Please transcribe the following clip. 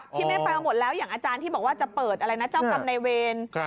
พี่เมฆไปเอาหมดแล้วอย่างอาจารย์ที่บอกว่าจะเปิดอะไรนะเจ้ากรรมในเวร